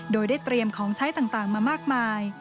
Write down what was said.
โดยได้เตรียมของใช้ต่างมามากมาย